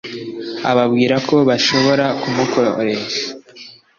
ababwira ko bashobora kumukoresha